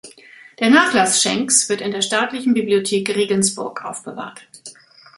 Der Nachlass Schenks wird in der Staatlichen Bibliothek Regensburg aufbewahrt.